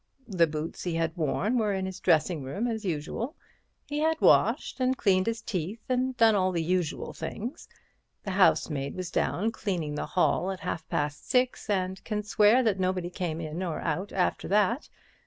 The boots he had worn were in his dressing room as usual. He had washed and cleaned his teeth and done all the usual things. The housemaid was down cleaning the hall at half past six, and can swear that nobody came in or out after that.